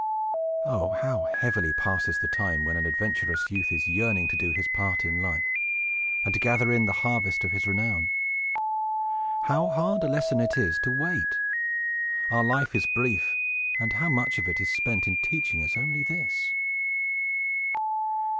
Oh, how heavily passes the time, while an adventurous youth is yearning to do his part in life, and to gather in the harvest of his renown! How hard a lesson it is to wait! Our life is brief, and how much of it is spent in teaching us only this!